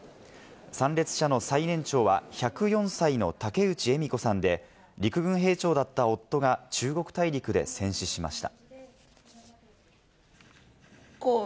参列者の最年長は１０４歳の竹内笑子さんで、陸軍兵長だった夫が中国大陸で戦死しました。